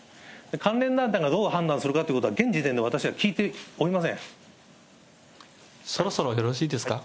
関連団体がどう判断するかということは、現時点で私は聞いておりそろそろよろしいですか。